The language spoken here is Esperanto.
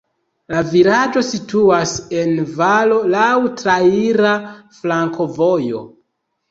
La vilaĝo situas en valo, laŭ traira flankovojo.